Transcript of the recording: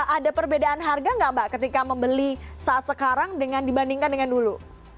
ada perbedaan harga nggak mbak ketika membeli saat sekarang dibandingkan dengan dulu